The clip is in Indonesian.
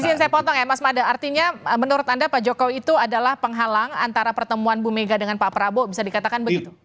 itu yang saya potong ya mas mada artinya menurut anda pak jokowi itu adalah penghalang antara pertemuan bu mega dengan pak prabowo bisa dikatakan begitu